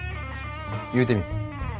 言うてみい。